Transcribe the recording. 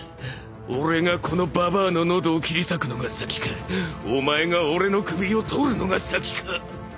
俺がこのババアの喉を切り裂くのが先かお前が俺の首を取るのが先か。